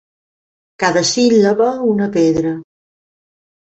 Cada síl·laba una pedra.